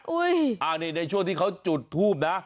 อุ๊ยนี่ในช่วงที่เขาจุดทูบนะ